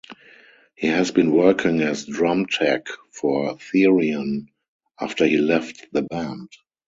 He has been working as drum tech for Therion, after he left the band.